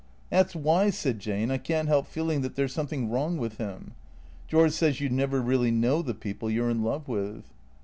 " That 's why," said Jane, " I can't help feeling that there 's something wrong with him. George says you never really know the people you 're in love with."